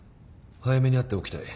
早めに会っておきたい。